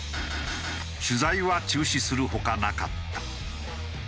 取材は中止する他なかった。